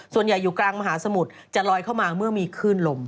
อยู่กลางมหาสมุทรจะลอยเข้ามาเมื่อมีคลื่นลม